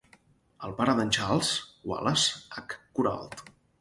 El pare d'en Charles, Wallace H. Kuralt.